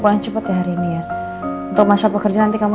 gue harus juga hape hapen yang terjadi